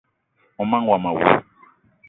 Mon manga womo awou!